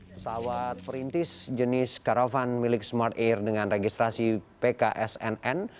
pesawat perintis jenis karavan milik smart air dengan registrasi pksnn